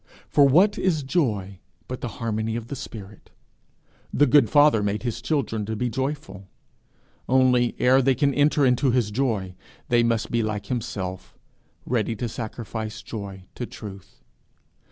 For what is joy but the harmony of the spirit! The good Father made his children to be joyful; only, ere they can enter into his joy, they must be like himself, ready to sacrifice joy to truth.